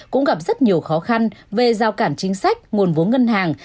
cũng gặp rất nhiều khó khăn về giao cản chính sách nguồn vốn ngân hàng